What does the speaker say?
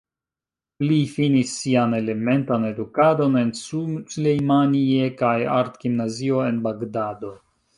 li finis sian elementan edukadon en Sulejmanie kaj art-gimnazio, en Bagdado.